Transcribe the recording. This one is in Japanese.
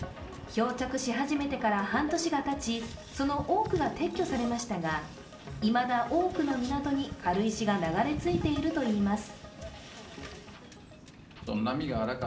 漂着し始めてから半年がたちその多くは撤去されましたがいまだ多くの港に軽石が流れ着いているといいます。